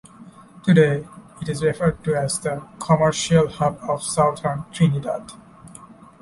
Today it is referred to as the 'Commercial Hub of Southern Trinidad'.